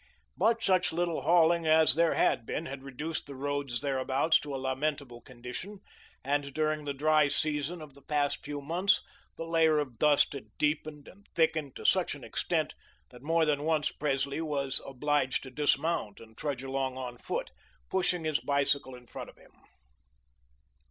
But such little hauling as there had been had reduced the roads thereabouts to a lamentable condition, and, during the dry season of the past few months, the layer of dust had deepened and thickened to such an extent that more than once Presley was obliged to dismount and trudge along on foot, pushing his bicycle in front of him.